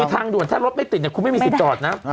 ทางด่วนถ้ารถไม่ติดคุณไม่มีสิทธิ์จอดนะ